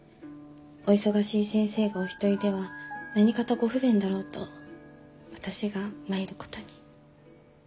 お忙しい先生がお一人では何かとご不便だろうと私が参ることに。